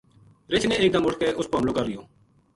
رِچھ نے ایک دم اٹھ کے اس پو حملو کر لیو